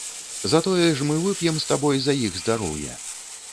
Затое ж мы вып'ем з табой за іх здароўе.